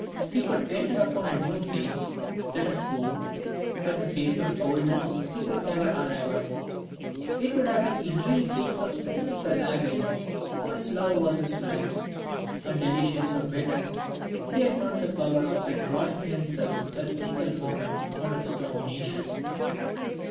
He could enter upon a new phase, that of woe; but the phase of coldness he could never arrive at. It would have been indeed a phase of physical agony for his love was his life and delicious or bitter, he had not the power of withdrawing himself a single moment from its domination."